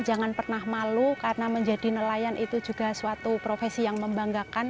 jangan pernah malu karena menjadi nelayan itu juga suatu profesi yang membanggakan